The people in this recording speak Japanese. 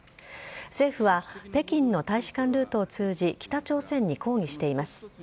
政府は北京の大使館ルートを通じ北朝鮮に抗議しています。